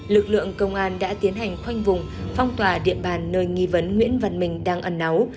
lực lượng công an đã tiến hành khoanh vùng phong tỏa địa bàn nơi nghi vấn nguyễn văn minh đang ẩn náu